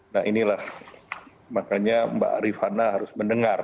nah inilah makanya mbak rifana harus mendengar